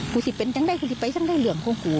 กูสิเป็นจังได้คุณสิไปจังได้เหลืองของกู